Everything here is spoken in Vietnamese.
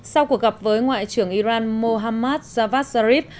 sau cuộc gặp với ngoại trưởng iran mohammad javad zarif